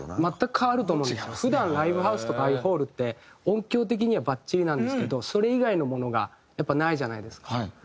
普段ライブハウスとかああいうホールって音響的にはバッチリなんですけどそれ以外のものがやっぱないじゃないですか。